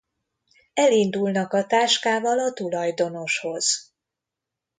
Elindulnak a táskával a tulajdonoshoz.